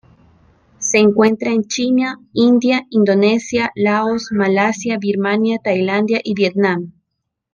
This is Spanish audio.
Se encuentra en China, India, Indonesia, Laos, Malasia, Birmania, Tailandia, y Vietnam.